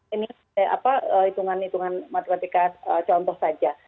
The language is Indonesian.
ini hitungan hitungan matematika contoh saja